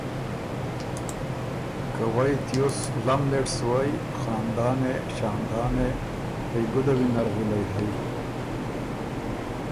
که ”وئ تیوس لملېټ سُوئ، خاندانې! شاندانې! ائ ګده وینر غلئ هئ؟“